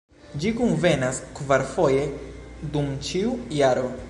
Ĝi kunvenas kvarfoje dum ĉiu jaro.